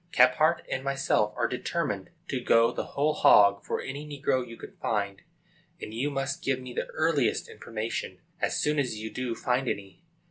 Kephart and myself are determined to go the whole hog for any negro you can find, and you must give me the earliest information, as soon as you do find any.